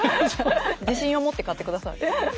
自信を持って買ってください。